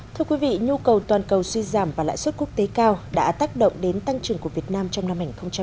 thưa quý vị nhu cầu toàn cầu suy giảm và lãi suất quốc tế cao đã tác động đến tăng trưởng của việt nam trong năm hai nghìn hai mươi ba